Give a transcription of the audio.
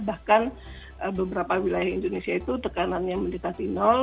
bahkan beberapa wilayah indonesia itu tekanannya mendekati